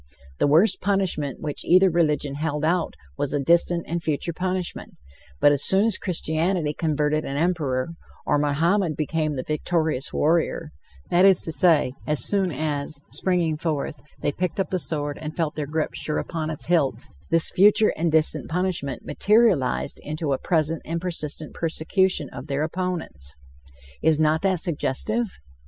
The worst punishment which either religion held out was a distant and a future punishment; but as soon as Christianity converted an Emperor, or Mohammed became the victorious warrior, that is to say, as soon as, springing forth, they picked up the sword and felt their grip sure upon its hilt, this future and distant punishment materialized into a present and persistent persecution of their opponents. Is not that suggestive?